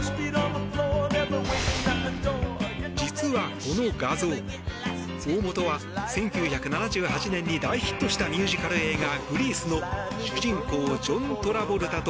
実は、この画像大本は１９７８年に大ヒットしたミュージカル映画「グリース」の主人公、ジョン・トラボルタと